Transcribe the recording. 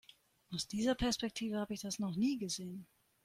Aus dieser Perspektive habe ich das noch nie gesehen.